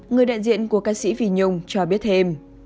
người đại diện của ca sĩ vy nhung cho biết thêm